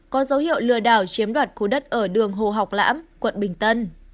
có dấu hiệu lừa đảo chiếm đoạt khu đất ở đường hồ học lãm quận bình tân